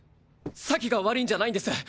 咲が悪いんじゃないんです！